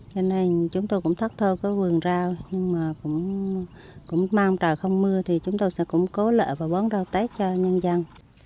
cho nên chúng tôi cũng thất thơ có vườn rau nhưng mà cũng mang trà không mưa thì chúng tôi sẽ cũng cố lợi và bán rau tết cho nhân dân